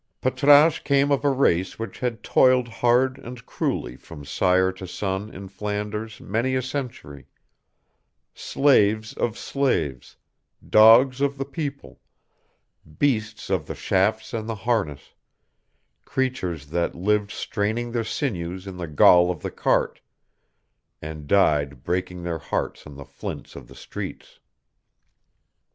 Patrasche came of a race which had toiled hard and cruelly from sire to son in Flanders many a century slaves of slaves, dogs of the people, beasts of the shafts and the harness, creatures that lived straining their sinews in the gall of the cart, and died breaking their hearts on the flints of the streets.